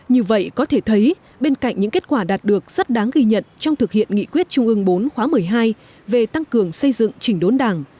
như vậy có thể thấy bên cạnh những kết quả đạt được rất đáng ghi nhận trong thực hiện nghị quyết trung ương bốn khóa một mươi hai về tăng cường xây dựng chỉnh đốn đảng